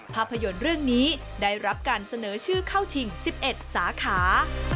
ภาพยนตร์เรื่องนี้ได้รับการเสนอชื่อเข้าชิง๑๑สาขา